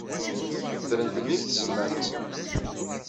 Ddrent nnig tzemmar-nsent.